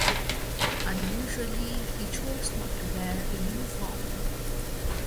Unusually, he chose not to wear a uniform.